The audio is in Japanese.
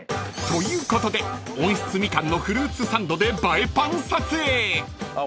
［ということで温室みかんのフルーツサンドで］